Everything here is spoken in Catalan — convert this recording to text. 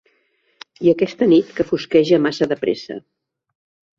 I aquesta nit que fosqueja massa de pressa.